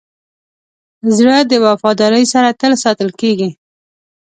زړه د وفادارۍ سره تل ساتل کېږي.